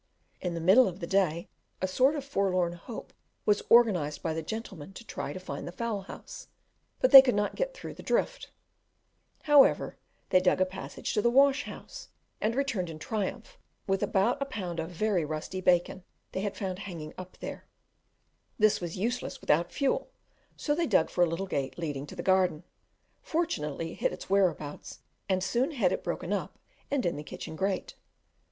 In the middle of the day a sort of forlorn hope was organized by the gentlemen to try to find the fowl house, but they could not get through the drift: however, they dug a passage to the wash house, and returned in triumph with about a pound of very rusty bacon they had found hanging up there; this was useless without fuel, so they dug for a little gate leading to the garden, fortunately hit its whereabouts, and soon had it broken up and in the kitchen grate.